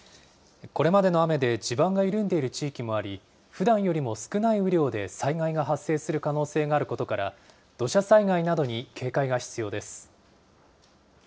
これまでの雨で地盤が緩んでいる地域もあり、ふだんよりも少ない雨量で災害が発生する可能性があることから、土砂災害などに警戒が必要です。